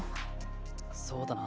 そうだな。